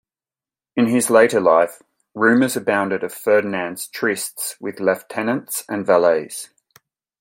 In his later life, rumours abounded of Ferdinand's trysts with lieutenants and valets.